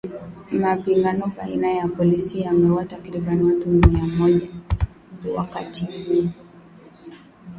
Mapigano baina ya polisi yameuwa takriban watu mia moja tangu wakati huo